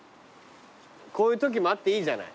こういうときもあっていいじゃない。